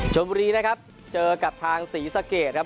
ชมบุรีนะครับเจอกับทางศรีสะเกดครับ